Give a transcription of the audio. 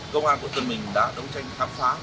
công an quận tân bình đã đấu tranh khám phá